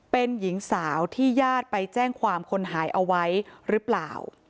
เป็นหญิงสาวที่ญาติไปแจ้งความคนหายเอาไว้หรือเปล่า